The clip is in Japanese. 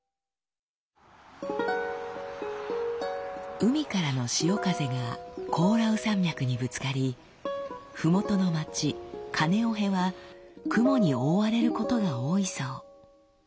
海からの潮風がコオラウ山脈にぶつかりふもとの町カネオヘは雲に覆われることが多いそう。